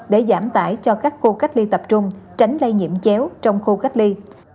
để giảm tải cho các khu cách ly tập trung tránh lây nhiễm chéo trong khu cách ly